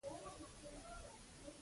تاسو مورنۍ ژبه پښتو ده ؟